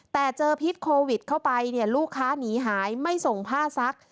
แต่เจอพิษโควิดเข้าไปเนี่ยลูกค้าหนีหายไม่ส่งผ้าซัก